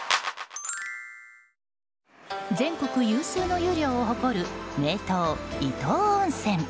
全国有数の湯量を誇る名湯・伊東温泉。